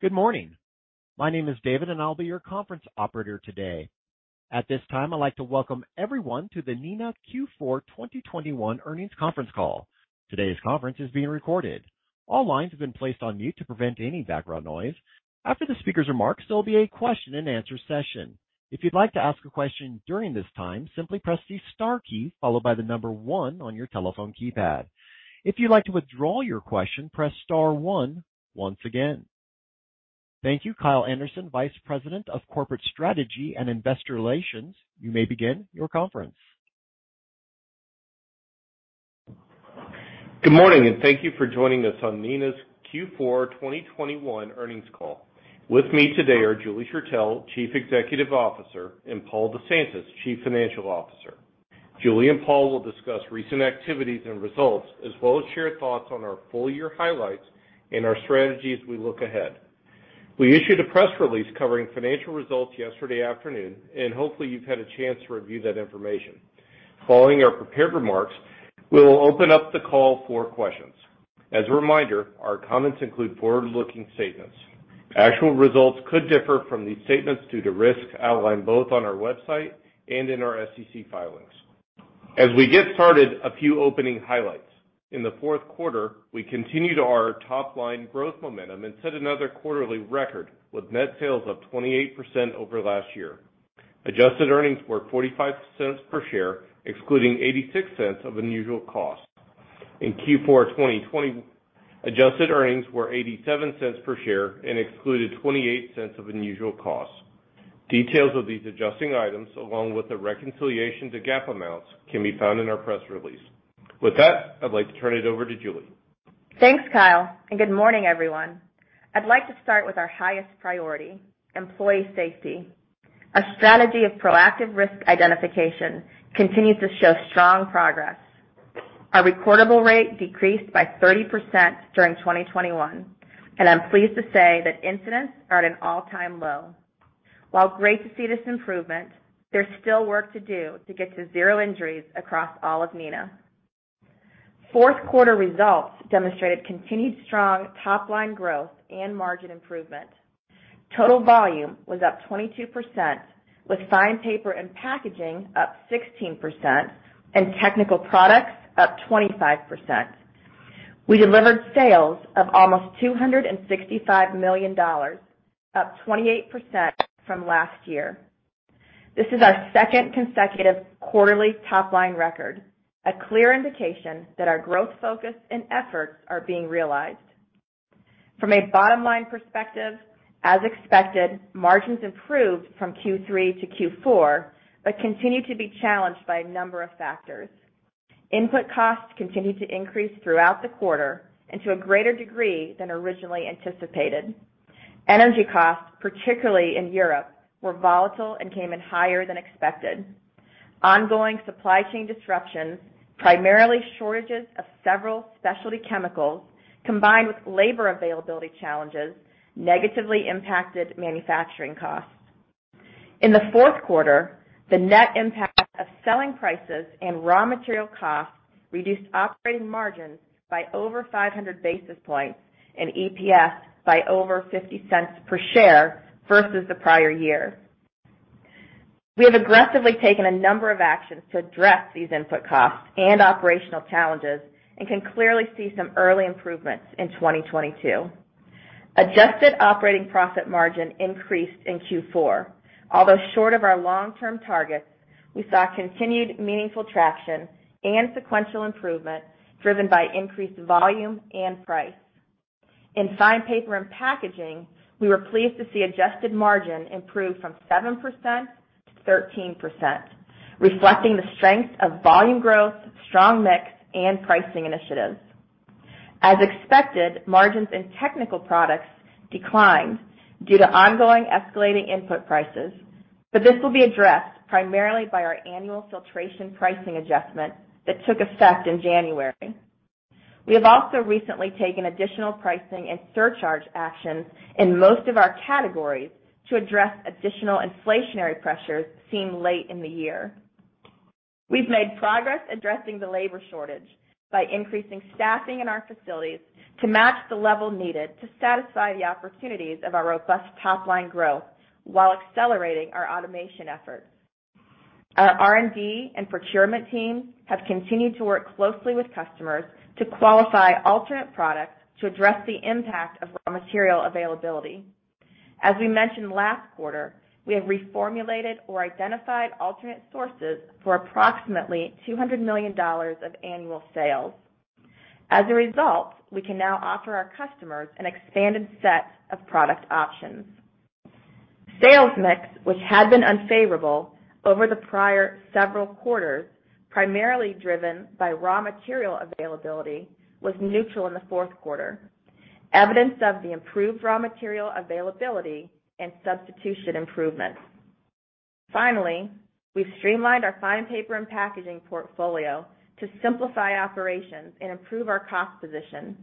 Good morning. My name is David, and I'll be your conference operator today. At this time, I'd like to welcome everyone to the Neenah Q4 2021 earnings conference call. Today's conference is being recorded. All lines have been placed on mute to prevent any background noise. After the speaker's remarks, there'll be a question-and-answer session. If you'd like to ask a question during this time, simply press the star key followed by the number one on your telephone keypad. If you'd like to withdraw your question, press star one once again. Thank you, Kyle Anderson, Vice President of Corporate Strategy and Investor Relations. You may begin your conference. Good morning, and thank you for joining us on Neenah's Q4 2021 earnings call. With me today are Julie Schertell, Chief Executive Officer, and Paul DeSantis, Chief Financial Officer. Julie and Paul will discuss recent activities and results, as well as share thoughts on our full-year highlights and our strategy as we look ahead. We issued a press release covering financial results yesterday afternoon, and hopefully, you've had a chance to review that information. Following our prepared remarks, we will open up the call for questions. As a reminder, our comments include forward-looking statements. Actual results could differ from these statements due to risks outlined both on our website and in our SEC filings. As we get started, a few opening highlights. In the fourth quarter, we continued our top-line growth momentum and set another quarterly record, with net sales up 28% over last year. Adjusted earnings were $0.45 per share, excluding $0.86 of unusual costs. In Q4 2020, adjusted earnings were $0.87 per share and excluded $0.28 of unusual costs. Details of these adjusting items, along with the reconciliation to GAAP amounts, can be found in our press release. With that, I'd like to turn it over to Julie. Thanks, Kyle, and good morning, everyone. I'd like to start with our highest priority, employee safety. A strategy of proactive risk identification continues to show strong progress. Our recordable rate decreased by 30% during 2021, and I'm pleased to say that incidents are at an all-time low. While great to see this improvement, there's still work to do to get to zero injuries across all of Neenah. Fourth quarter results demonstrated continued strong top-line growth and margin improvement. Total volume was up 22%, with Fine Paper and Packaging up 16% and Technical Products up 25%. We delivered sales of almost $265 million, up 28% from last year. This is our second consecutive quarterly top-line record, a clear indication that our growth focus and efforts are being realized. From a bottom-line perspective, as expected, margins improved from Q3 to Q4 but continued to be challenged by a number of factors. Input costs continued to increase throughout the quarter and to a greater degree than originally anticipated. Energy costs, particularly in Europe, were volatile and came in higher than expected. Ongoing supply chain disruptions, primarily shortages of several specialty chemicals, combined with labor availability challenges, negatively impacted manufacturing costs. In the fourth quarter, the net impact of selling prices and raw material costs reduced operating margins by over 500 basis points and EPS by over $0.50 per share versus the prior year. We have aggressively taken a number of actions to address these input costs and operational challenges and can clearly see some early improvements in 2022. Adjusted operating profit margin increased in Q4. Although short of our long-term targets, we saw continued meaningful traction and sequential improvement driven by increased volume and price. In Fine Paper and Packaging, we were pleased to see adjusted margin improve from 7% to 13%, reflecting the strength of volume growth, strong mix, and pricing initiatives. As expected, margins in Technical Products declined due to ongoing escalating input prices, but this will be addressed primarily by our annual filtration pricing adjustment that took effect in January. We have also recently taken additional pricing and surcharge actions in most of our categories to address additional inflationary pressures seen late in the year. We've made progress addressing the labor shortage by increasing staffing in our facilities to match the level needed to satisfy the opportunities of our robust top-line growth while accelerating our automation efforts. Our R&D and procurement teams have continued to work closely with customers to qualify alternate products to address the impact of raw material availability. As we mentioned last quarter, we have reformulated or identified alternate sources for approximately $200 million of annual sales. As a result, we can now offer our customers an expanded set of product options. Sales mix, which had been unfavorable over the prior several quarters, primarily driven by raw material availability, was neutral in the fourth quarter, evidence of the improved raw material availability and substitution improvements. Finally, we've streamlined our Fine Paper and Packaging portfolio to simplify operations and improve our cost position,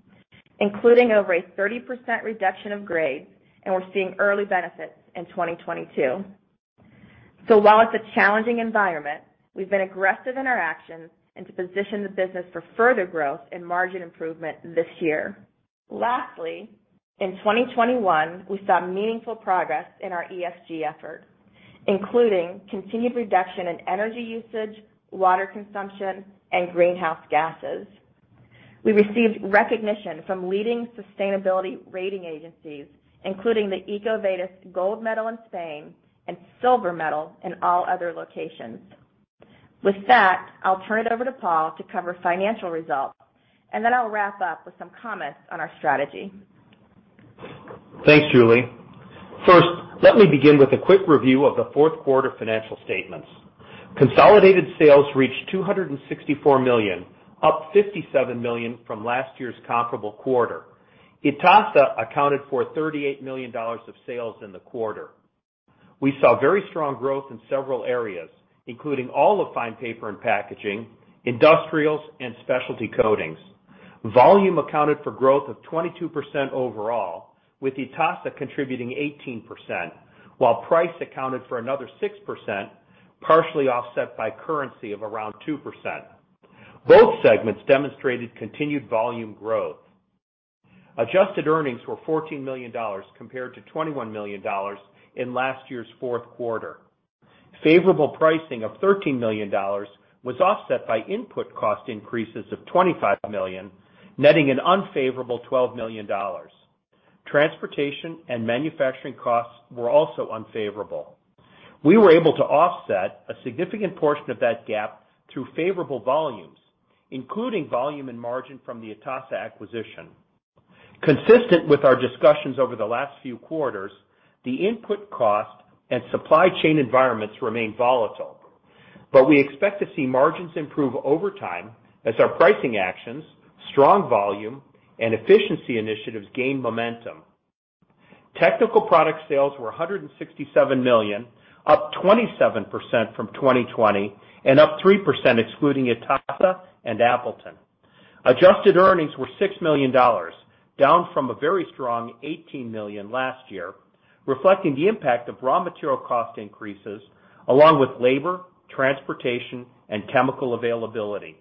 including over a 30% reduction of grades, and we're seeing early benefits in 2022. While it's a challenging environment, we've been aggressive in our actions and to position the business for further growth and margin improvement this year. Lastly, in 2021, we saw meaningful progress in our ESG effort, including continued reduction in energy usage, water consumption, and greenhouse gases. We received recognition from leading sustainability rating agencies, including the EcoVadis Gold Medal in Spain and Silver Medal in all other locations. With that, I'll turn it over to Paul to cover financial results, and then I'll wrap up with some comments on our strategy. Thanks, Julie. First, let me begin with a quick review of the fourth quarter financial statements. Consolidated sales reached $264 million, up $57 million from last year's comparable quarter. ITASA accounted for $38 million of sales in the quarter. We saw very strong growth in several areas, including all of Fine Paper and Packaging, Industrial Solutions, and Specialty Coatings. Volume accounted for growth of 22% overall, with ITASA contributing 18%, while price accounted for another 6%, partially offset by currency of around 2%. Both segments demonstrated continued volume growth. Adjusted earnings were $14 million compared to $21 million in last year's fourth quarter. Favorable pricing of $13 million was offset by input cost increases of $25 million, netting an unfavorable $12 million. Transportation and manufacturing costs were also unfavorable. We were able to offset a significant portion of that gap through favorable volumes, including volume and margin from the ITASA acquisition. Consistent with our discussions over the last few quarters, the input cost and supply chain environments remain volatile, but we expect to see margins improve over time as our pricing actions, strong volume, and efficiency initiatives gain momentum. Technical Products sales were $167 million, up 27% from 2020 and up 3% excluding ITASA and Appleton. Adjusted earnings were $6 million, down from a very strong $18 million last year, reflecting the impact of raw material cost increases along with labor, transportation, and chemical availability.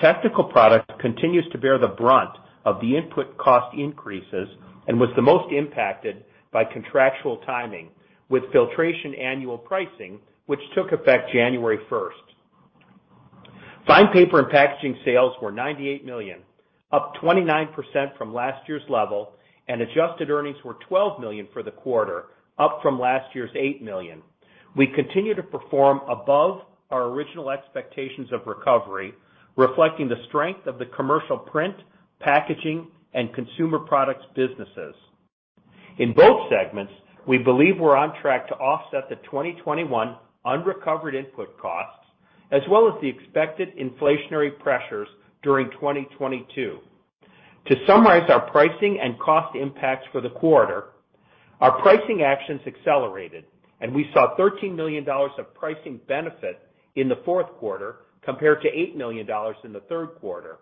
Technical Products continues to bear the brunt of the input cost increases and was the most impacted by contractual timing with Filtration annual pricing, which took effect January 1st. Fine Paper and Packaging sales were $98 million, up 29% from last year's level, and adjusted earnings were $12 million for the quarter, up from last year's $8 million. We continue to perform above our original expectations of recovery, reflecting the strength of the commercial print, packaging, and consumer products businesses. In both segments, we believe we're on track to offset the 2021 unrecovered input costs as well as the expected inflationary pressures during 2022. To summarize our pricing and cost impacts for the quarter, our pricing actions accelerated, and we saw $13 million of pricing benefit in the fourth quarter compared to $8 million in the third quarter.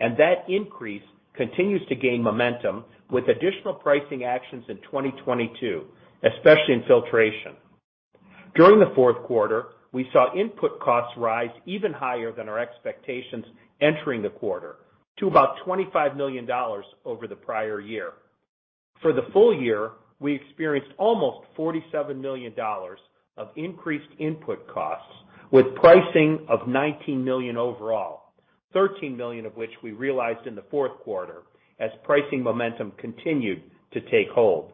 That increase continues to gain momentum with additional pricing actions in 2022, especially in Filtration. During the fourth quarter, we saw input costs rise even higher than our expectations entering the quarter to about $25 million over the prior year. For the full-year, we experienced almost $47 million of increased input costs with pricing of $19 million overall, $13 million of which we realized in the fourth quarter as pricing momentum continued to take hold.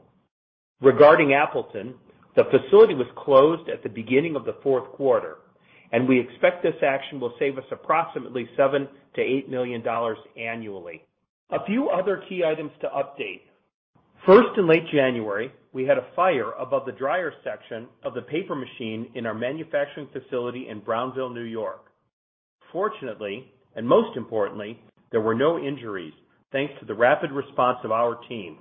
Regarding Appleton, the facility was closed at the beginning of the fourth quarter, and we expect this action will save us approximately $7 million-$8 million annually. A few other key items to update. First, in late January, we had a fire above the dryer section of the paper machine in our manufacturing facility in Brownville, New York. Fortunately, and most importantly, there were no injuries, thanks to the rapid response of our team.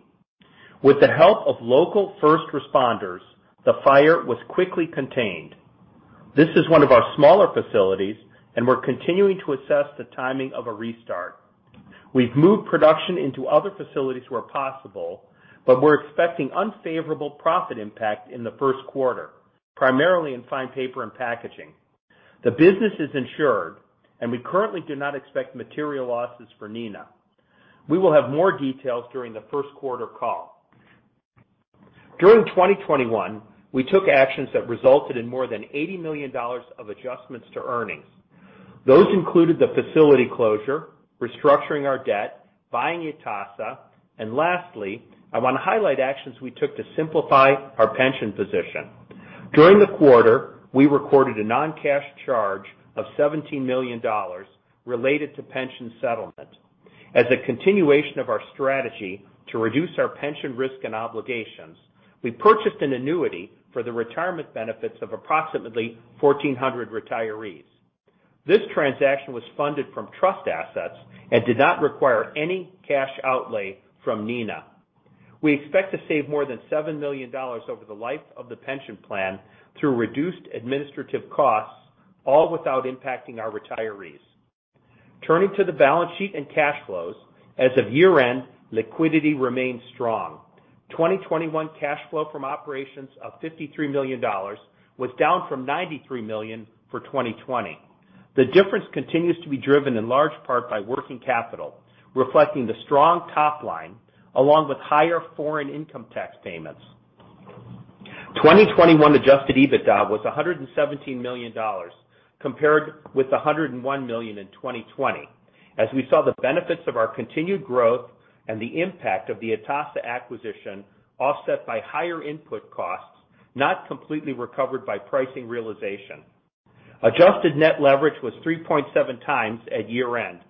With the help of local first responders, the fire was quickly contained. This is one of our smaller facilities, and we're continuing to assess the timing of a restart. We've moved production into other facilities where possible, but we're expecting unfavorable profit impact in the first quarter, primarily in Fine Paper and Packaging. The business is insured, and we currently do not expect material losses for Neenah. We will have more details during the first quarter call. During 2021, we took actions that resulted in more than $80 million of adjustments to earnings. Those included the facility closure, restructuring our debt, buying ITASA, and lastly, I wanna highlight actions we took to simplify our pension position. During the quarter, we recorded a non-cash charge of $17 million related to pension settlement. As a continuation of our strategy to reduce our pension risk and obligations, we purchased an annuity for the retirement benefits of approximately 1,400 retirees. This transaction was funded from trust assets and did not require any cash outlay from Neenah. We expect to save more than $7 million over the life of the pension plan through reduced administrative costs, all without impacting our retirees. Turning to the balance sheet and cash flows, as of year-end, liquidity remains strong. 2021 cash flow from operations of $53 million was down from $93 million for 2020. The difference continues to be driven in large part by working capital, reflecting the strong top line along with higher foreign income tax payments. 2021 adjusted EBITDA was $117 million compared with $101 million in 2020 as we saw the benefits of our continued growth and the impact of the ITASA acquisition, offset by higher input costs, not completely recovered by pricing realization. Adjusted net leverage was 3.7x at year-end,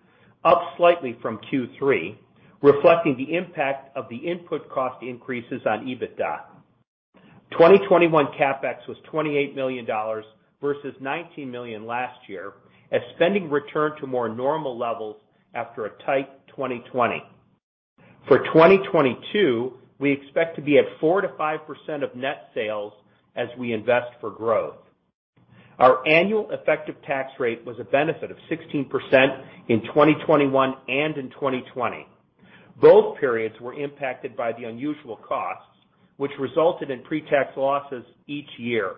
up slightly from Q3, reflecting the impact of the input cost increases on EBITDA. 2021 CapEx was $28 million versus $19 million last year as spending returned to more normal levels after a tight 2020. For 2022, we expect to be at 4%-5% of net sales as we invest for growth. Our annual effective tax rate was a benefit of 16% in 2021 and in 2020. Both periods were impacted by the unusual costs, which resulted in pre-tax losses each year.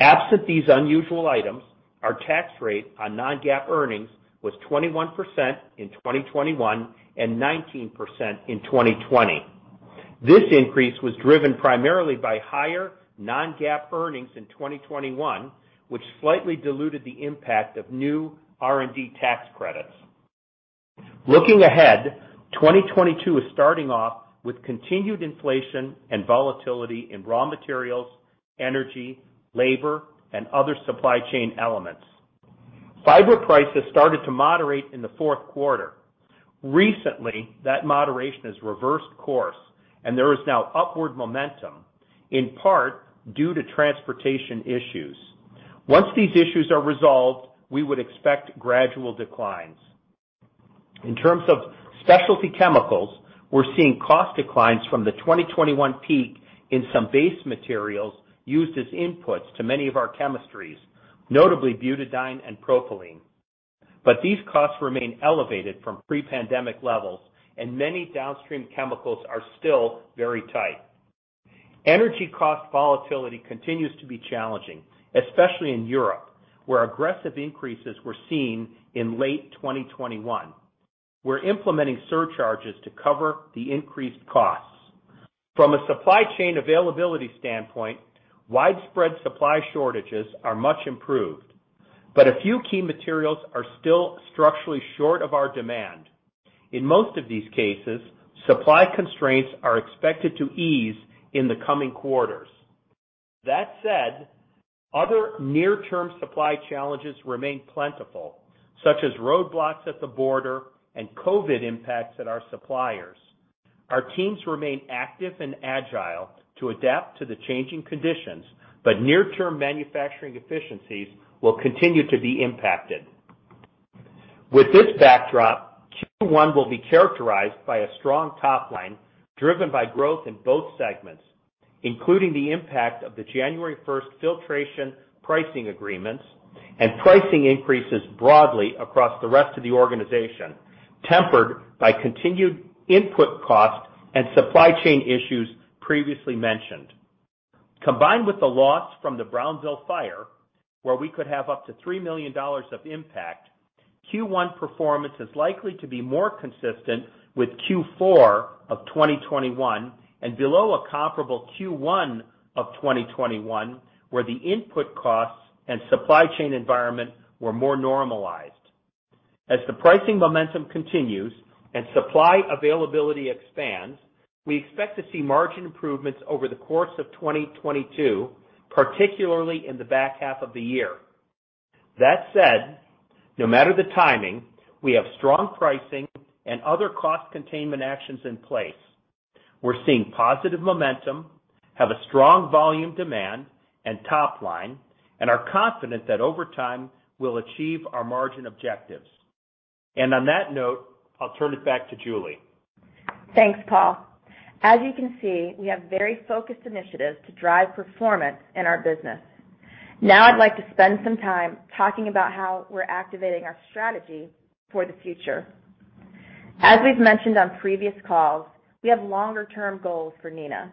Absent these unusual items, our tax rate on non-GAAP earnings was 21% in 2021 and 19% in 2020. This increase was driven primarily by higher non-GAAP earnings in 2021, which slightly diluted the impact of new R&D tax credits. Looking ahead, 2022 is starting off with continued inflation and volatility in raw materials, energy, labor, and other supply chain elements. Fiber prices started to moderate in the fourth quarter. Recently, that moderation has reversed course, and there is now upward momentum, in part due to transportation issues. Once these issues are resolved, we would expect gradual declines. In terms of specialty chemicals, we're seeing cost declines from the 2021 peak in some base materials used as inputs to many of our chemistries, notably butadiene and propylene. These costs remain elevated from pre-pandemic levels, and many downstream chemicals are still very tight. Energy cost volatility continues to be challenging, especially in Europe, where aggressive increases were seen in late 2021. We're implementing surcharges to cover the increased costs. From a supply chain availability standpoint, widespread supply shortages are much improved, but a few key materials are still structurally short of our demand. In most of these cases, supply constraints are expected to ease in the coming quarters. That said, other near-term supply challenges remain plentiful, such as roadblocks at the border and COVID impacts at our suppliers. Our teams remain active and agile to adapt to the changing conditions, but near-term manufacturing efficiencies will continue to be impacted. With this backdrop, Q1 will be characterized by a strong top line driven by growth in both segments, including the impact of the January 1st filtration pricing agreements and pricing increases broadly across the rest of the organization, tempered by continued input costs and supply chain issues previously mentioned. Combined with the loss from the Brownville fire, where we could have up to $3 million of impact, Q1 performance is likely to be more consistent with Q4 of 2021 and below a comparable Q1 of 2021, where the input costs and supply chain environment were more normalized. As the pricing momentum continues and supply availability expands, we expect to see margin improvements over the course of 2022, particularly in the back half of the year. That said, no matter the timing, we have strong pricing and other cost containment actions in place. We're seeing positive momentum, have a strong volume demand and top line, and are confident that over time we'll achieve our margin objectives. On that note, I'll turn it back to Julie. Thanks, Paul. As you can see, we have very focused initiatives to drive performance in our business. Now I'd like to spend some time talking about how we're activating our strategy for the future. As we've mentioned on previous calls, we have longer-term goals for Neenah: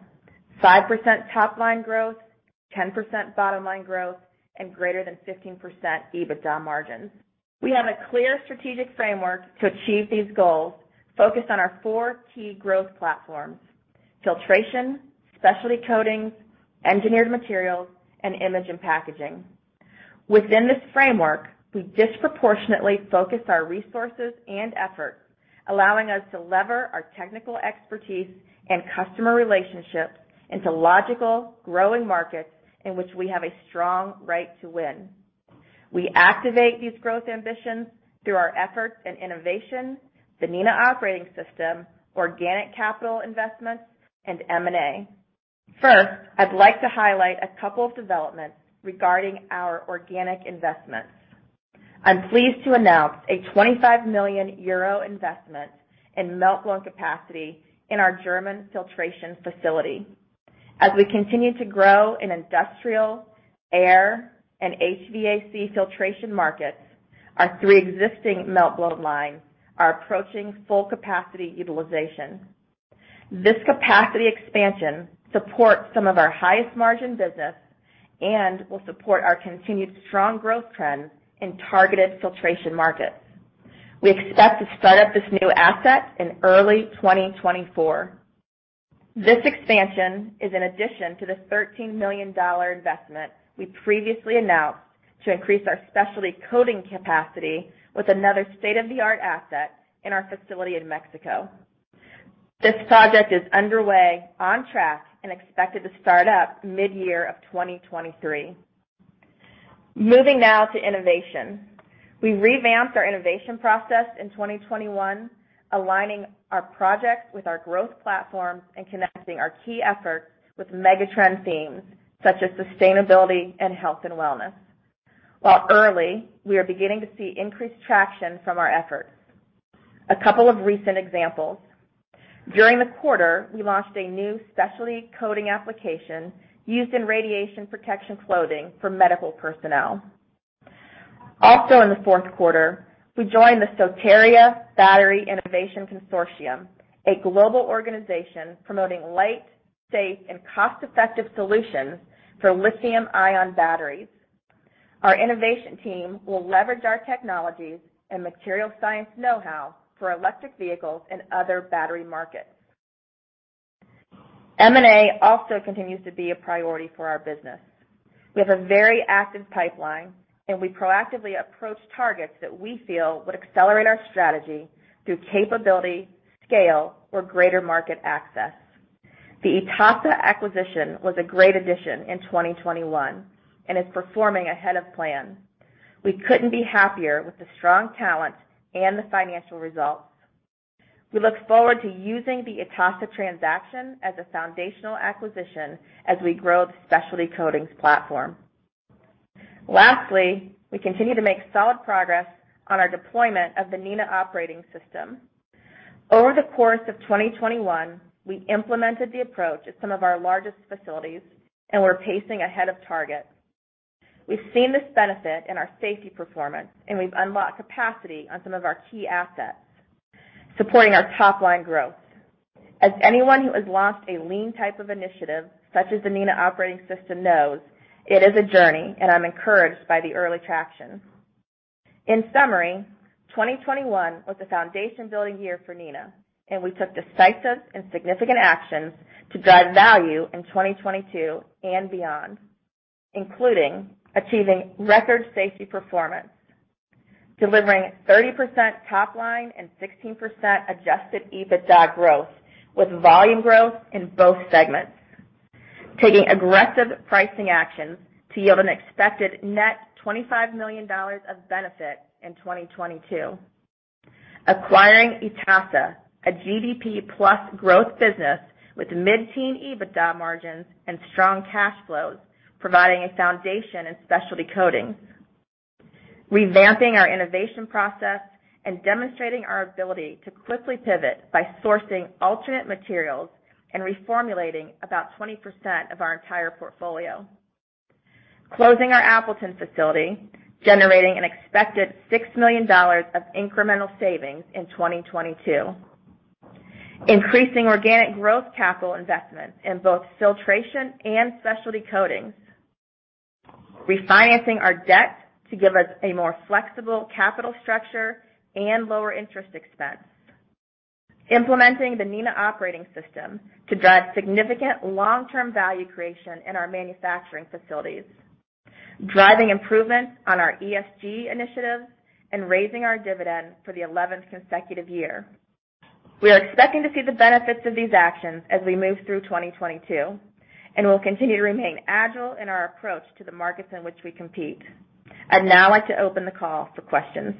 5% top-line growth, 10% bottom-line growth, and greater than 15% EBITDA margins. We have a clear strategic framework to achieve these goals focused on our four key growth platforms: Filtration, Specialty Coatings, Engineered Materials, and Imaging & Packaging. Within this framework, we disproportionately focus our resources and efforts, allowing us to leverage our technical expertise and customer relationships into logical growing markets in which we have a strong right to win. We activate these growth ambitions through our efforts in innovation, the Neenah Operating System, organic capital investments, and M&A. First, I'd like to highlight a couple of developments regarding our organic investments. I'm pleased to announce a 25 million euro investment in meltblown capacity in our German filtration facility. As we continue to grow in industrial, air, and HVAC filtration markets, our three existing meltblown lines are approaching full capacity utilization. This capacity expansion supports some of our highest margin business and will support our continued strong growth trends in targeted filtration markets. We expect to start up this new asset in early 2024. This expansion is in addition to the $13 million investment we previously announced to increase our specialty coating capacity with another state-of-the-art asset in our facility in Mexico. This project is underway, on track, and expected to start up mid-year of 2023. Moving now to innovation. We revamped our innovation process in 2021, aligning our projects with our growth platforms and connecting our key efforts with mega-trend themes such as sustainability and health and wellness. While early, we are beginning to see increased traction from our efforts. A couple of recent examples. During the quarter, we launched a new specialty coating application used in radiation protection clothing for medical personnel. Also in the fourth quarter, we joined the Soteria Battery Innovation Group, a global organization promoting light, safe, and cost-effective solutions for lithium-ion batteries. Our innovation team will leverage our technologies and material science know-how for electric vehicles and other battery markets. M&A also continues to be a priority for our business. We have a very active pipeline, and we proactively approach targets that we feel would accelerate our strategy through capability, scale, or greater market access. The ITASA acquisition was a great addition in 2021 and is performing ahead of plan. We couldn't be happier with the strong talent and the financial results. We look forward to using the ITASA transaction as a foundational acquisition as we grow the Specialty Coatings platform. Lastly, we continue to make solid progress on our deployment of the Neenah Operating System. Over the course of 2021, we implemented the approach at some of our largest facilities, and we're pacing ahead of target. We've seen this benefit in our safety performance, and we've unlocked capacity on some of our key assets, supporting our top line growth. As anyone who has launched a lean type of initiative, such as the Neenah Operating System knows, it is a journey, and I'm encouraged by the early traction. In summary, 2021 was a foundation-building year for Neenah, and we took decisive and significant actions to drive value in 2022 and beyond, including achieving record safety performance, delivering 30% top line and 16% adjusted EBITDA growth with volume growth in both segments, taking aggressive pricing actions to yield an expected net $25 million of benefit in 2022, acquiring ITASA, a GDP plus growth business with mid-teen EBITDA margins and strong cash flows, providing a foundation in Specialty Coatings, revamping our innovation process and demonstrating our ability to quickly pivot by sourcing alternate materials and reformulating about 20% of our entire portfolio, closing our Appleton facility, generating an expected $6 million of incremental savings in 2022, increasing organic growth capital investments in both Filtration and Specialty Coatings. Refinancing our debt to give us a more flexible capital structure and lower interest expense. Implementing the Neenah Operating System to drive significant long-term value creation in our manufacturing facilities. Driving improvements on our ESG initiatives and raising our dividend for the eleventh consecutive year. We are expecting to see the benefits of these actions as we move through 2022, and we'll continue to remain agile in our approach to the markets in which we compete. I'd now like to open the call for questions.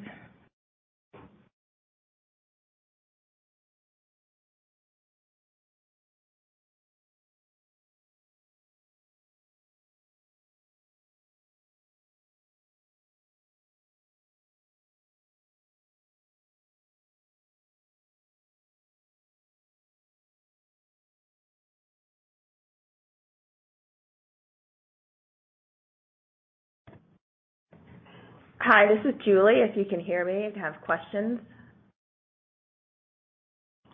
Hi, this is Julie. If you can hear me and have questions.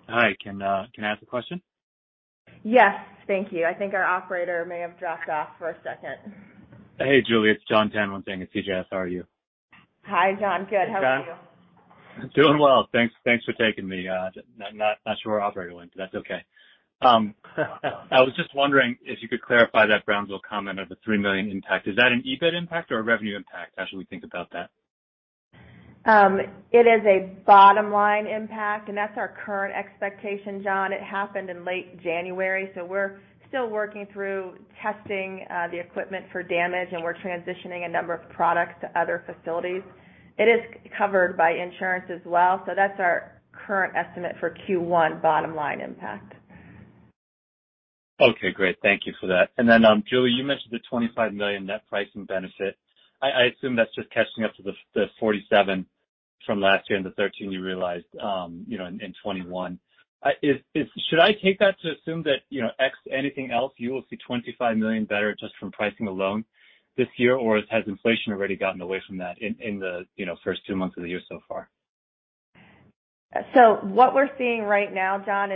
Hi, can I ask a question? Yes. Thank you. I think our operator may have dropped off for a second. Hey, Julie, it's Jon Tanwanteng at CJS. How are you? Hi, Jon. Good. How are you? Hey, Jon. Doing well. Thanks for taking me. Not sure where operator went, but that's okay. I was just wondering if you could clarify that Brownville comment of the $3 million impact. Is that an EBIT impact or a revenue impact as we think about that? It is a bottom line impact, and that's our current expectation, Jon. It happened in late January, so we're still working through testing the equipment for damage, and we're transitioning a number of products to other facilities. It is covered by insurance as well, so that's our current estimate for Q1 bottom line impact. Okay, great. Thank you for that. Julie, you mentioned the $25 million net pricing benefit. I assume that's just catching up to the $47 million from last year and the $13 million you realized, you know, in 2021. Should I take that to assume that, you know, absent anything else, you will see $25 million better just from pricing alone this year? Or has inflation already gotten away from that in the, you know, first two months of the year so far? What we're seeing right now, Jon,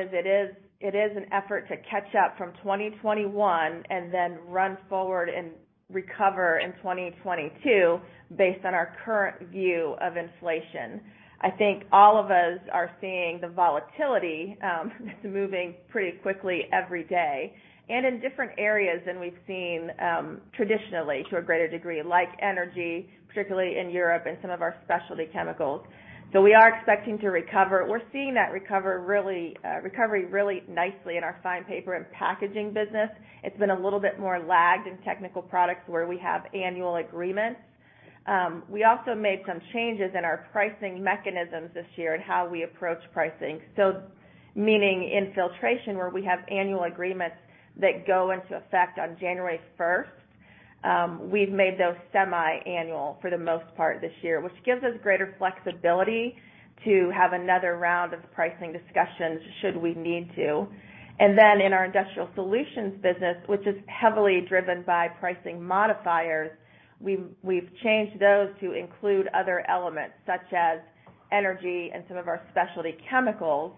is an effort to catch up from 2021 and then run forward and recover in 2022 based on our current view of inflation. I think all of us are seeing the volatility that's moving pretty quickly every day, and in different areas than we've seen traditionally to a greater degree, like energy, particularly in Europe and some of our specialty chemicals. We are expecting to recover. We're seeing that recovery really nicely in our Fine Paper and Packaging business. It's been a little bit more lagged in Technical Products where we have annual agreements. We also made some changes in our pricing mechanisms this year and how we approach pricing. Meaning in Filtration, where we have annual agreements that go into effect on January first, we've made those semi-annual for the most part this year, which gives us greater flexibility to have another round of pricing discussions should we need to. In our Industrial Solutions business, which is heavily driven by pricing modifiers, we've changed those to include other elements such as energy and some of our specialty chemicals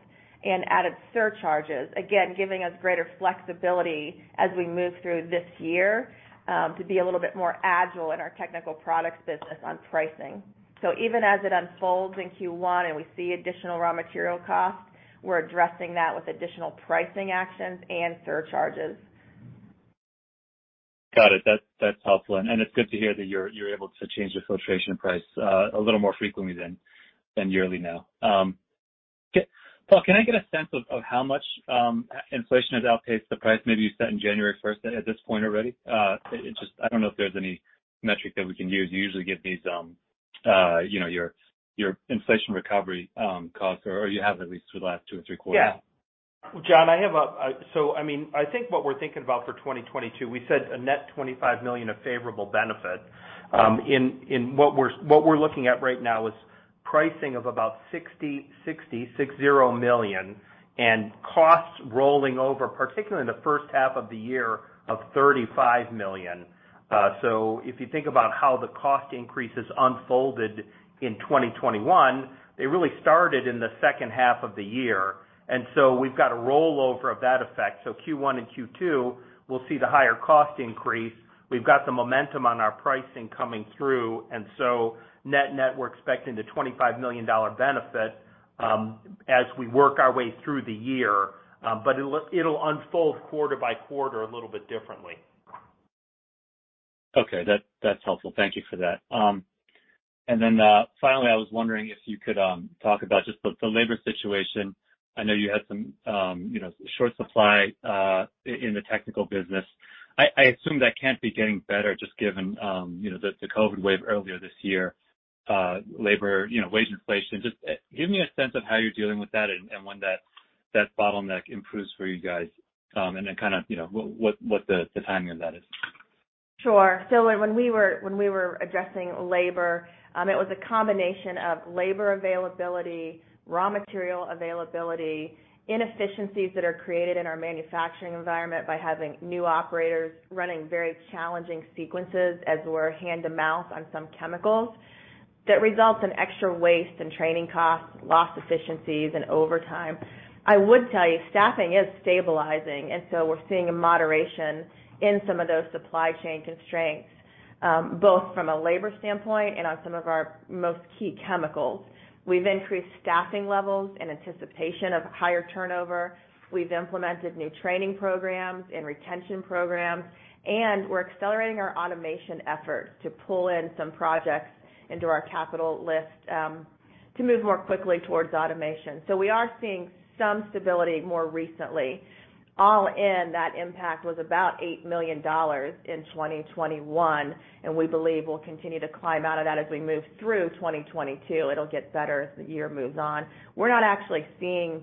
and added surcharges, again, giving us greater flexibility as we move through this year, to be a little bit more agile in our Technical Products business on pricing. Even as it unfolds in Q1 and we see additional raw material costs, we're addressing that with additional pricing actions and surcharges. Got it. That's helpful. It's good to hear that you're able to change the Filtration price a little more frequently than yearly now. Okay. Paul, can I get a sense of how much inflation has outpaced the price maybe you set in January first at this point already? It just. I don't know if there's any metric that we can use. You usually give these, you know, your inflation recovery costs, or you have at least for the last two or three quarters. Jon, so I mean, I think what we're thinking about for 2022, we said a net $25 million of favorable benefit. In what we're looking at right now is pricing of about $66 million and costs rolling over, particularly in the first half of the year, of $35 million. If you think about how the cost increases unfolded in 2021, they really started in the second half of the year. We've got a rollover of that effect. Q1 and Q2, we'll see the higher cost increase. We've got the momentum on our pricing coming through, and net-net, we're expecting the $25 million benefit as we work our way through the year. It'll unfold quarter by quarter a little bit differently. Okay. That's helpful. Thank you for that. Finally, I was wondering if you could talk about just the labor situation. I know you had some you know short supply in the technical business. I assume that can't be getting better just given you know the COVID wave earlier this year labor you know wage inflation. Just give me a sense of how you're dealing with that and when that bottleneck improves for you guys. Kind of you know what the timing of that is. Sure. When we were addressing labor, it was a combination of labor availability, raw material availability, inefficiencies that are created in our manufacturing environment by having new operators running very challenging sequences as we're hand to mouth on some chemicals. That results in extra waste and training costs, lost efficiencies and overtime. I would tell you, staffing is stabilizing, and so we're seeing a moderation in some of those supply chain constraints, both from a labor standpoint and on some of our most key chemicals. We've increased staffing levels in anticipation of higher turnover. We've implemented new training programs and retention programs, and we're accelerating our automation efforts to pull in some projects into our capital list, to move more quickly towards automation. We are seeing some stability more recently. All in, that impact was about $8 million in 2021, and we believe we'll continue to climb out of that as we move through 2022. It'll get better as the year moves on. We're not actually seeing,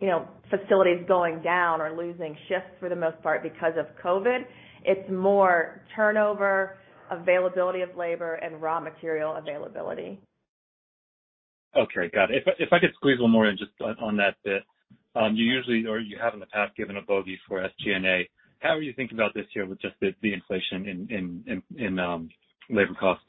you know, facilities going down or losing shifts for the most part because of COVID. It's more turnover, availability of labor and raw material availability. Okay. Got it. If I could squeeze one more in just on that bit. You usually, or you have in the past given a bogey for SG&A. How are you thinking about this year with just the inflation in labor costs?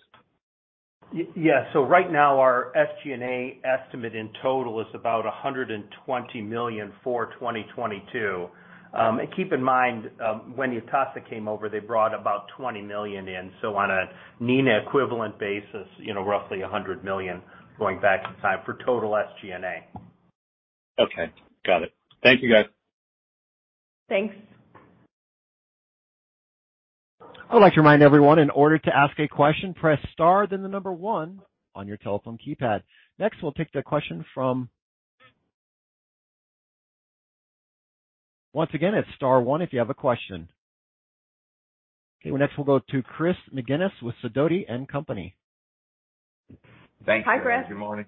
Yeah. Right now, our SG&A estimate in total is about $120 million for 2022. Keep in mind, when ITASA came over, they brought about $20 million in. On a Neenah equivalent basis, you know, roughly $100 million going back in time for total SG&A. Okay. Got it. Thank you, guys. Thanks. I would like to remind everyone in order to ask a question, press star then the number one on your telephone keypad. Next, we'll take the question from. Once again, it's star one if you have a question. Okay, next we'll go to Chris McGinnis with Sidoti & Company. Thanks. Hi, Chris. Good morning.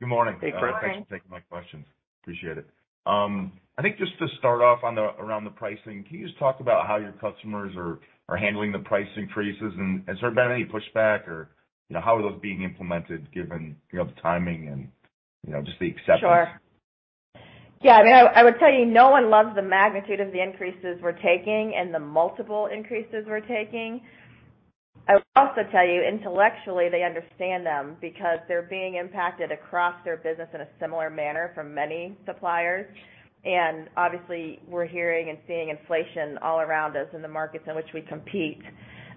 Good morning. Hey, Chris. Thanks for taking my questions. Appreciate it. I think just to start off on the, around the pricing, can you just talk about how your customers are handling the price increases and has there been any pushback or, you know, how are those being implemented given, you know, the timing and, you know, just the acceptance? Sure. Yeah, I mean, I would tell you no one loves the magnitude of the increases we're taking and the multiple increases we're taking. I would also tell you intellectually, they understand them because they're being impacted across their business in a similar manner from many suppliers. Obviously, we're hearing and seeing inflation all around us in the markets in which we compete.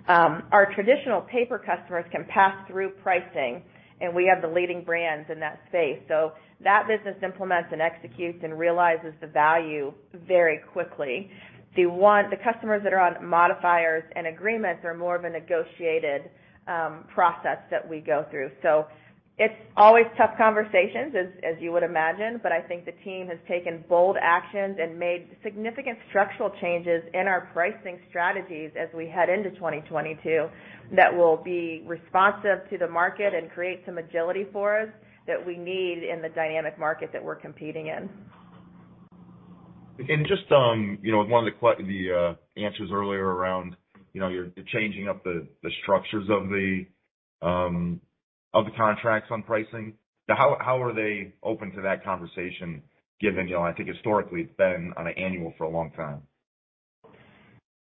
Our traditional paper customers can pass through pricing, and we have the leading brands in that space. That business implements and executes and realizes the value very quickly. The customers that are on modifiers and agreements are more of a negotiated process that we go through. It's always tough conversations as you would imagine, but I think the team has taken bold actions and made significant structural changes in our pricing strategies as we head into 2022 that will be responsive to the market and create some agility for us that we need in the dynamic market that we're competing in. Just, you know, one of the answers earlier around, you know, you're changing up the structures of the contracts on pricing. Now, how are they open to that conversation given, you know, I think historically it's been on an annual for a long time?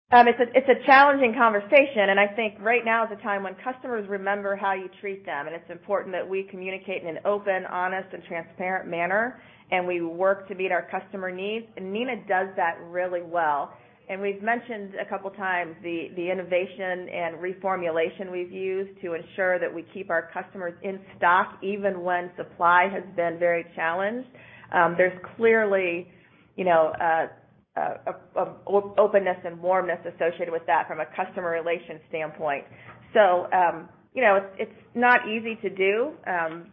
It's a challenging conversation, and I think right now is the time when customers remember how you treat them, and it's important that we communicate in an open, honest and transparent manner, and we work to meet our customer needs. Neenah does that really well. We've mentioned a couple of times the innovation and reformulation we've used to ensure that we keep our customers in stock, even when supply has been very challenged. There's clearly, you know, an openness and warmness associated with that from a customer relations standpoint. It's not easy to do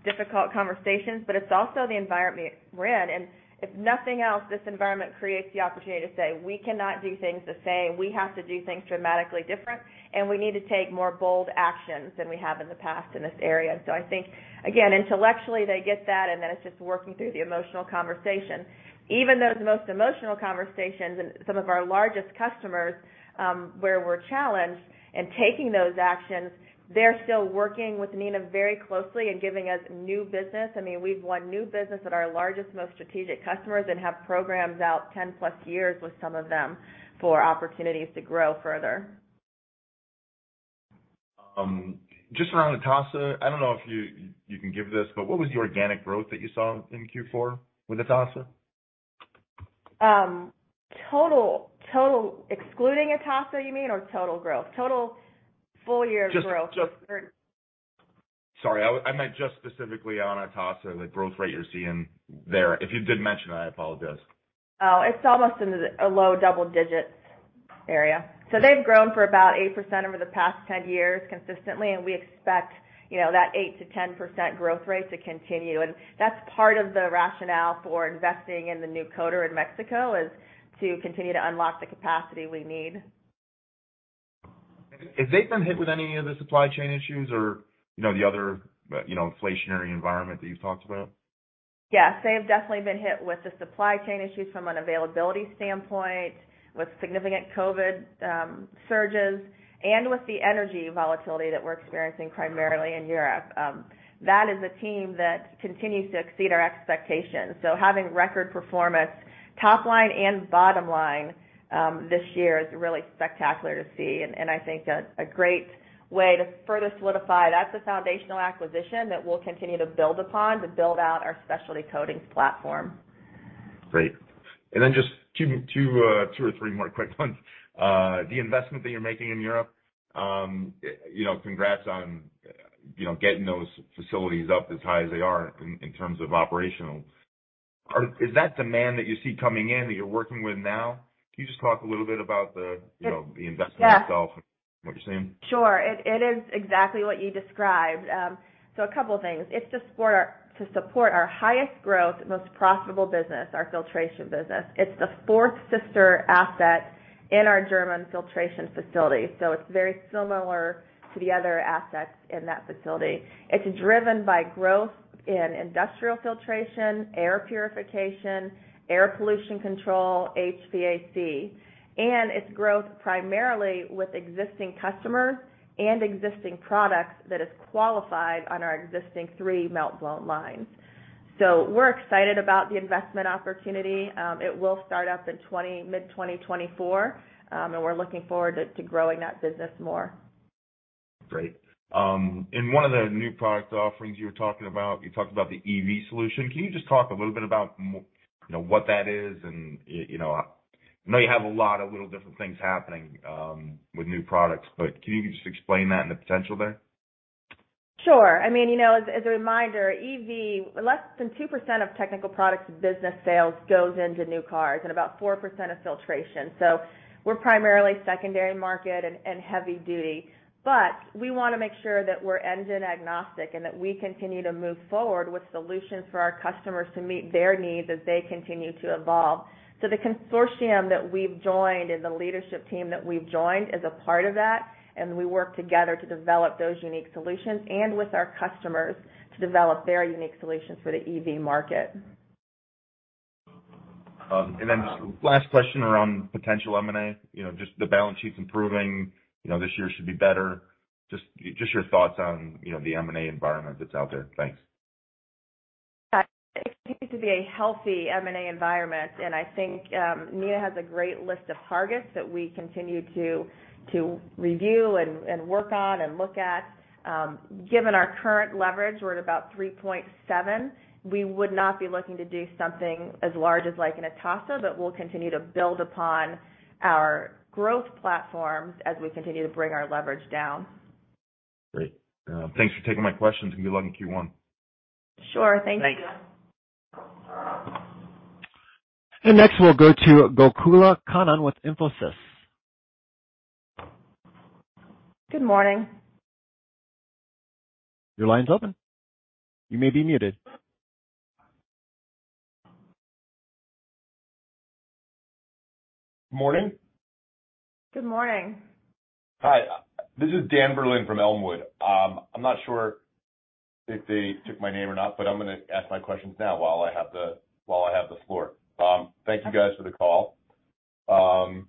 difficult conversations, but it's also the environment we're in. If nothing else, this environment creates the opportunity to say, we cannot do things the same. We have to do things dramatically different, and we need to take more bold actions than we have in the past in this area. I think, again, intellectually, they get that, and then it's just working through the emotional conversation. Even those most emotional conversations and some of our largest customers, where we're challenged and taking those actions, they're still working with Neenah very closely and giving us new business. I mean, we've won new business at our largest, most strategic customers and have programs out 10+ years with some of them for opportunities to grow further. Just around ITASA, I don't know if you can give this, but what was the organic growth that you saw in Q4 with ITASA? Total excluding ITASA, you mean, or total growth? Total full-year growth or Sorry, I meant just specifically on ITASA, the growth rate you're seeing there. If you did mention that, I apologize. Oh, it's almost in the low double-digits area. They've grown at about 8% over the past 10 years consistently, and we expect, you know, that 8%-10% growth rate to continue. That's part of the rationale for investing in the new coater in Mexico is to continue to unlock the capacity we need. Have they been hit with any of the supply chain issues or, you know, the other, you know, inflationary environment that you've talked about? Yes, they have definitely been hit with the supply chain issues from an availability standpoint, with significant COVID surges, and with the energy volatility that we're experiencing primarily in Europe. That is a team that continues to exceed our expectations. Having record performance top line and bottom line this year is really spectacular to see. I think a great way to further solidify, that's a foundational acquisition that we'll continue to build upon to build out our Specialty Coatings platform. Great. Then just two or three more quick ones. The investment that you're making in Europe, you know, congrats on, you know, getting those facilities up as high as they are in terms of operational. Is that demand that you see coming in that you're working with now? Can you just talk a little bit about the, you know, the investment itself and what you're seeing? Sure. It is exactly what you described. A couple of things. It's to support our highest growth, most profitable business, our Filtration business. It's the fourth sister asset in our German filtration facility. It's very similar to the other assets in that facility. It's driven by growth in industrial filtration, air purification, air pollution control, HVAC. It's growth primarily with existing customers and existing products that is qualified on our existing three meltblown lines. We're excited about the investment opportunity. It will start up in mid 2024, and we're looking forward to growing that business more. Great. In one of the new product offerings you were talking about, you talked about the EV solution. Can you just talk a little bit more about what that is? You know, I know you have a lot of little different things happening with new products, but can you just explain that and the potential there? Sure. I mean, you know, as a reminder, EV, less than 2% of Technical Products business sales goes into new cars and about 4% of Filtration. We're primarily secondary market and heavy duty. We wanna make sure that we're engine agnostic and that we continue to move forward with solutions for our customers to meet their needs as they continue to evolve. The consortium that we've joined and the leadership team that we've joined is a part of that, and we work together to develop those unique solutions and with our customers to develop their unique solutions for the EV market. Last question around potential M&A, you know, just the balance sheet's improving, you know, this year should be better. Just your thoughts on, you know, the M&A environment that's out there. Thanks. Yeah. It seems to be a healthy M&A environment, and I think, Neenah has a great list of targets that we continue to review and work on and look at. Given our current leverage, we're at about 3.7x, we would not be looking to do something as large as like an ITASA, but we'll continue to build upon our growth platforms as we continue to bring our leverage down. Great. Thanks for taking my questions and good luck in Q1. Sure. Thank you. Thank you. Next, we'll go to Gokula Kannan with Infosys. Good morning. Your line's open. You may be muted. Morning. Good morning. Hi, this is Dan Berlin from Elmwood. I'm not sure if they took my name or not, but I'm gonna ask my questions now while I have the floor. Thank you guys for the call. I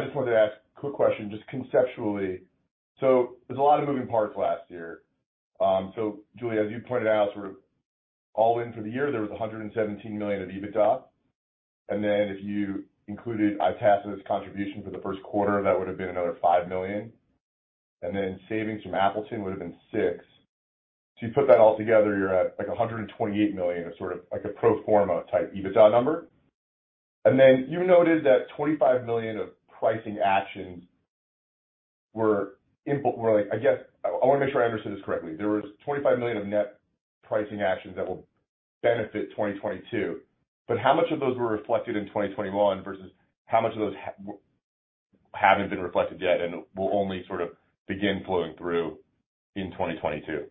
just wanted to ask a quick question just conceptually. There's a lot of moving parts last year. Julie, as you pointed out, sort of all in for the year, there was $117 million of EBITDA. If you included ITASA's contribution for the first quarter, that would've been another $5 million. Savings from Appleton would've been $6 million. You put that all together, you're at like $128 million of sort of like a pro forma type EBITDA number. You noted that $25 million of pricing actions were like, I guess. I wanna make sure I understood this correctly. There was $25 million of net pricing actions that will benefit 2022, but how much of those were reflected in 2021 versus how much of those haven't been reflected yet and will only sort of begin flowing through in 2022?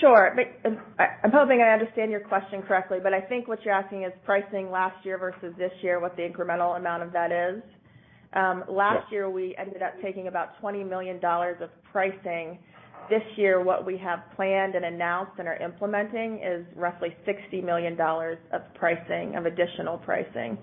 Sure. I'm hoping I understand your question correctly, but I think what you're asking is pricing last year versus this year, what the incremental amount of that is. Yeah. Last year, we ended up taking about $20 million of pricing. This year, what we have planned and announced and are implementing is roughly $60 million of pricing, of additional pricing.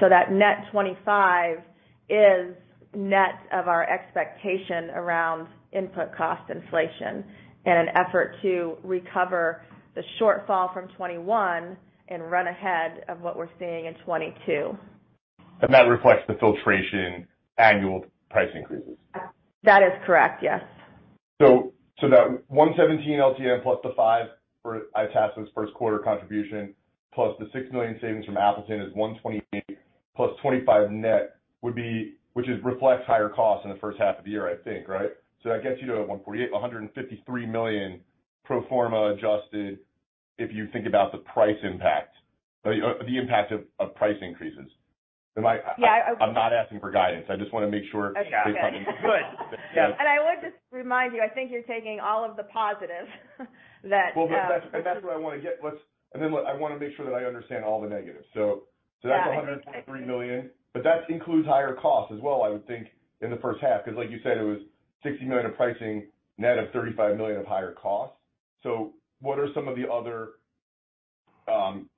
That net $25 million is net of our expectation around input cost inflation in an effort to recover the shortfall from 2021 and run ahead of what we're seeing in 2022. That reflects the Filtration annual price increases? That is correct, yes. That $117 million LTM plus the $5 million for ITASA's first quarter contribution, plus the $6 million savings from Appleton is $128 million plus $25 million net, which reflects higher costs in the first half of the year, I think, right? That gets you to $148 million, $153 million pro forma adjusted if you think about the price impact, the impact of price increases. Yeah. I'm not asking for guidance. I just wanna make sure. Okay. It's coming. Good. Yeah. I would just remind you, I think you're taking all of the positives that, Well, that's, and that's what I wanna get. Look, I wanna make sure that I understand all the negatives. Yeah. That's $123 million, but that includes higher costs as well, I would think in the first half, 'cause like you said, it was $60 million of pricing, net of $35 million of higher costs. What are some of the other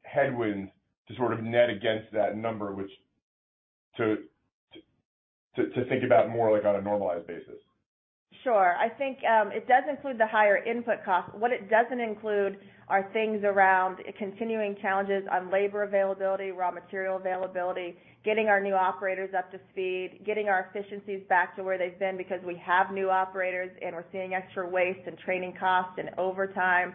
headwinds to sort of net against that number, which to think about more like on a normalized basis? Sure. I think it does include the higher input costs. What it doesn't include are things around continuing challenges on labor availability, raw material availability, getting our new operators up to speed, getting our efficiencies back to where they've been because we have new operators, and we're seeing extra waste and training costs and overtime,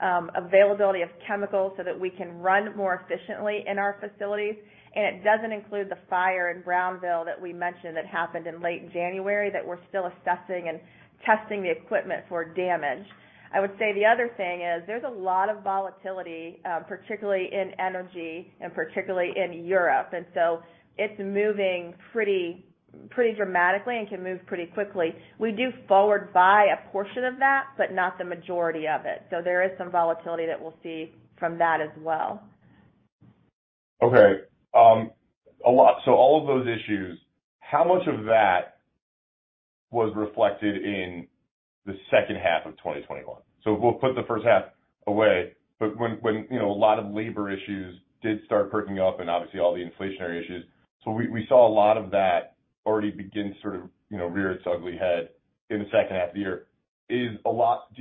availability of chemicals so that we can run more efficiently in our facilities. It doesn't include the fire in Brownville that we mentioned that happened in late January that we're still assessing and testing the equipment for damage. I would say the other thing is there's a lot of volatility, particularly in energy and particularly in Europe, and so it's moving pretty dramatically and can move pretty quickly. We do forward buy a portion of that, but not the majority of it. There is some volatility that we'll see from that as well. All of those issues, how much of that was reflected in the second half of 2021? We'll put the first half away, but when you know, a lot of labor issues did start perking up and obviously all the inflationary issues. We saw a lot of that already begin to sort of, you know, rear its ugly head in the second half of the year. Do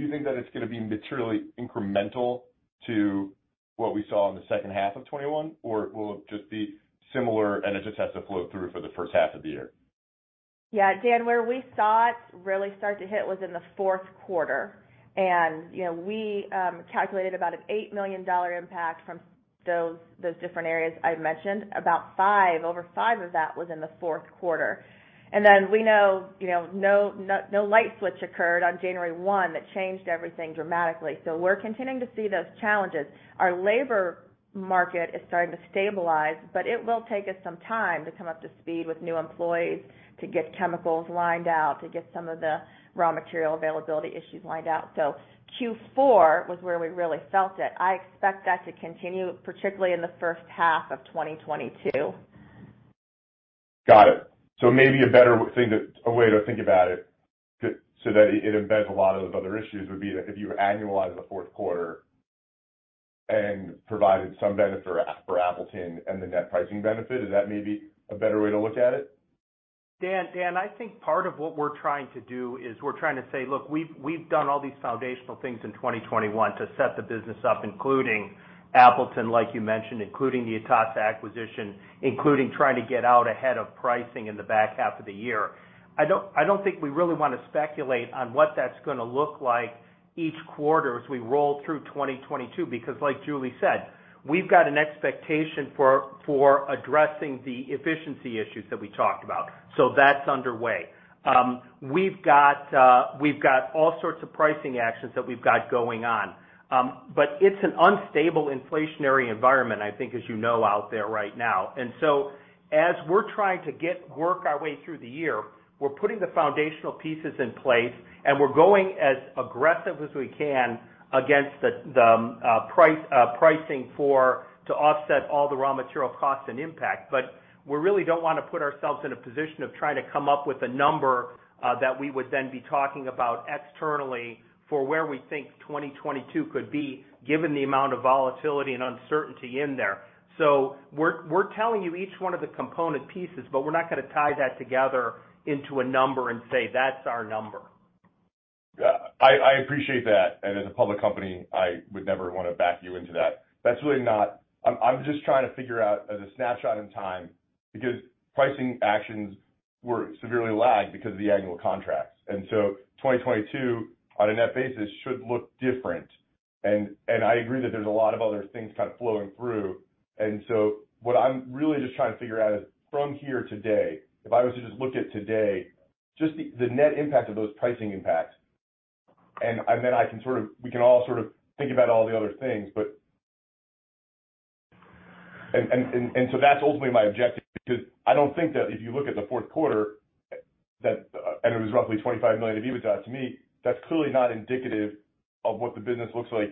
you think that it's gonna be materially incremental to what we saw in the second half of 2021, or will it just be similar and it just has to flow through for the first half of the year? Yeah. Dan, where we saw it really start to hit was in the fourth quarter. You know, we calculated about an $8 million impact from those different areas I mentioned, over $5 million of that was in the fourth quarter. We know, you know, no light switch occurred on January 1st that changed everything dramatically. We're continuing to see those challenges. Our labor market is starting to stabilize, but it will take us some time to come up to speed with new employees, to get chemicals lined out, to get some of the raw material availability issues lined out. Q4 was where we really felt it. I expect that to continue, particularly in the first half of 2022. Got it. Maybe a way to think about it so that it embeds a lot of those other issues would be that if you annualize the fourth quarter and provided some benefit for Appleton and the net pricing benefit, is that maybe a better way to look at it? Dan, I think part of what we're trying to do is we're trying to say, look, we've done all these foundational things in 2021 to set the business up, including Appleton, like you mentioned, including the ITASA acquisition, including trying to get out ahead of pricing in the back half of the year. I don't think we really wanna speculate on what that's gonna look like each quarter as we roll through 2022, because like Julie said, we've got an expectation for addressing the efficiency issues that we talked about. So that's underway. We've got all sorts of pricing actions that we've got going on. It's an unstable inflationary environment, I think, as you know, out there right now. As we're trying to work our way through the year, we're putting the foundational pieces in place, and we're going as aggressive as we can against the pricing for to offset all the raw material costs and impact. We really don't wanna put ourselves in a position of trying to come up with a number that we would then be talking about externally for where we think 2022 could be given the amount of volatility and uncertainty in there. We're telling you each one of the component pieces, but we're not gonna tie that together into a number and say, "That's our number. Yeah. I appreciate that. As a public company, I would never wanna back you into that. That's really not. I'm just trying to figure out as a snapshot in time, because pricing actions were severely lagged because of the annual contracts. 2022, on a net basis, should look different. I agree that there's a lot of other things kind of flowing through. What I'm really just trying to figure out is from here today, if I was to just look at today, just the net impact of those pricing impacts. Then I can sort of, we can all sort of think about all the other things. But. That's ultimately my objective, because I don't think that if you look at the fourth quarter, that it was roughly $25 million of EBITDA. To me, that's clearly not indicative of what the business looks like,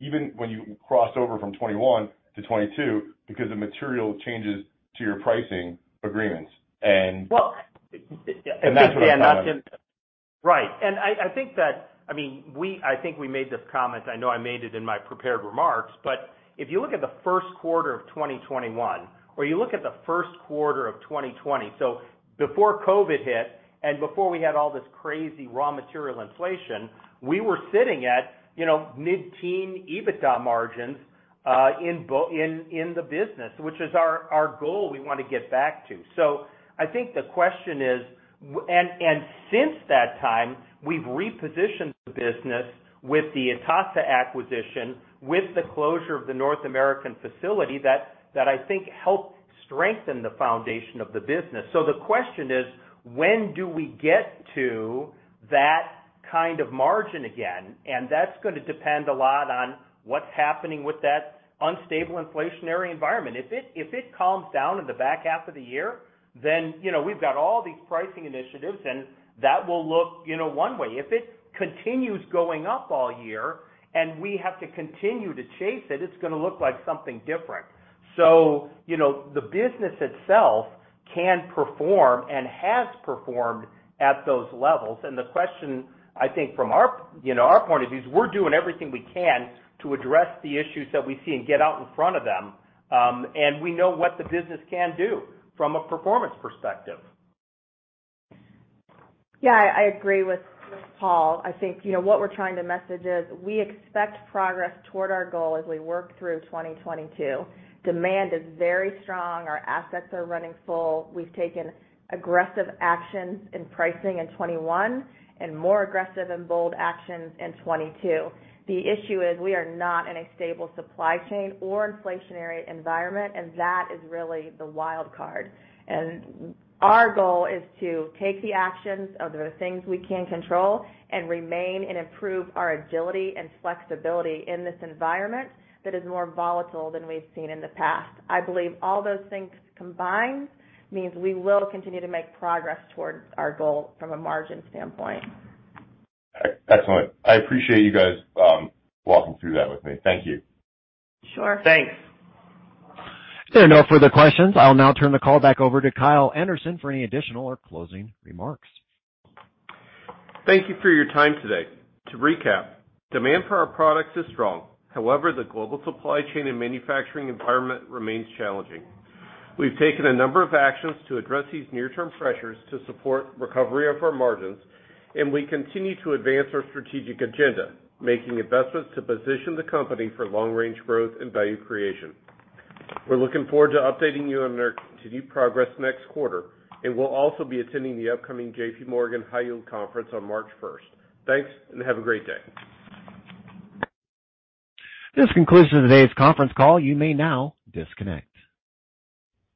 even when you cross over from 2021 to 2022 because the material changes to your pricing agreements. Well, it. That's what I'm trying to Dan, that's it. Right. I think that I mean, I think we made this comment, I know I made it in my prepared remarks, but if you look at the first quarter of 2021 or you look at the first quarter of 2020, so before COVID hit and before we had all this crazy raw material inflation, we were sitting at, you know, mid-teen EBITDA margins in the business, which is our goal we want to get back to. I think the question is, and since that time, we've repositioned the business with the ITASA acquisition, with the closure of the North American facility that I think helped strengthen the foundation of the business. The question is, when do we get to that kind of margin again? That's gonna depend a lot on what's happening with that unstable inflationary environment. If it calms down in the back half of the year, then, you know, we've got all these pricing initiatives and that will look, you know, one way. If it continues going up all year and we have to continue to chase it's gonna look like something different. You know, the business itself can perform and has performed at those levels. The question, I think from our, you know, our point of view is we're doing everything we can to address the issues that we see and get out in front of them, and we know what the business can do from a performance perspective. Yeah. I agree with Paul. I think, you know, what we're trying to message is we expect progress toward our goal as we work through 2022. Demand is very strong. Our assets are running full. We've taken aggressive actions in pricing in 2021 and more aggressive and bold actions in 2022. The issue is we are not in a stable supply chain or inflationary environment, and that is really the wild card. Our goal is to take the actions of the things we can control and remain and improve our agility and flexibility in this environment that is more volatile than we've seen in the past. I believe all those things combined means we will continue to make progress towards our goal from a margin standpoint. Excellent. I appreciate you guys walking through that with me. Thank you. Sure. Thanks. There are no further questions. I'll now turn the call back over to Kyle Anderson for any additional or closing remarks. Thank you for your time today. To recap, demand for our products is strong. However, the global supply chain and manufacturing environment remains challenging. We've taken a number of actions to address these near-term pressures to support recovery of our margins, and we continue to advance our strategic agenda, making investments to position the company for long-range growth and value creation. We're looking forward to updating you on our continued progress next quarter, and we'll also be attending the upcoming JPMorgan High Yield Conference on March 1st. Thanks, and have a great day. This concludes today's conference call. You may now disconnect.